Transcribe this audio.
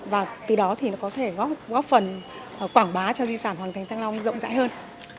và từ đó thì nó có thể góp phần quảng bá cho di sản hoàng thành thăng long rộng rãi hơn